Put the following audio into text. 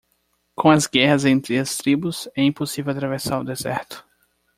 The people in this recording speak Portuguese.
Com as guerras entre as tribos? é impossível atravessar o deserto.